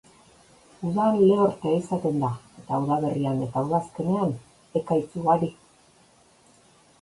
Udan lehortea izaten da, eta udaberrian eta udazkenean ekaitz ugari.